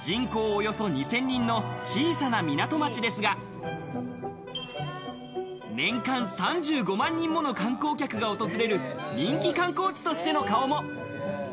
およそ２０００人の小さな港町ですが、年間３５万人もの観光客が訪れる、人気観光地としての顔も。